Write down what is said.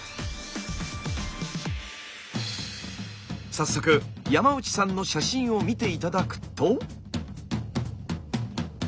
早速山内さんの写真を見て頂くと。